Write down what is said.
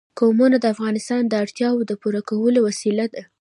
قومونه د افغانانو د اړتیاوو د پوره کولو وسیله ده.